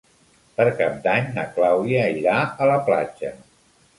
Per Cap d'Any na Clàudia irà a la platja.